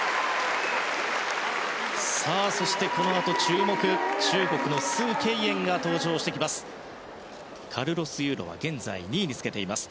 そして、このあと注目中国のスウ・ケイエンが登場してきます。